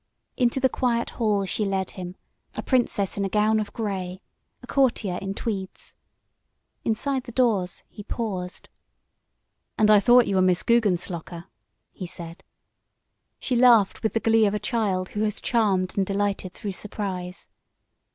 Into the quiet hall she led him, a princess in a gown of gray, a courtier in tweeds. Inside the doors he paused. "And I thought you were Miss Guggenslocker," he said. She laughed with the glee of a child who has charmed and delighted through surprise.